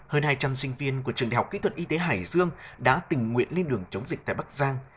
hơn hai trăm linh sinh viên của trường đại học kỹ thuật y tế hải dương đã tình nguyện lên đường chống dịch tại bắc giang